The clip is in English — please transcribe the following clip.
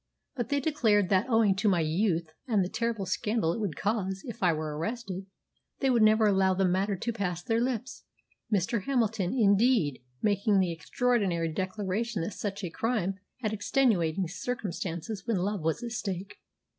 But they declared that, owing to my youth and the terrible scandal it would cause if I were arrested, they would never allow the matter to pass their lips, Mr. Hamilton, indeed, making the extraordinary declaration that such a crime had extenuating circumstances when love was at stake.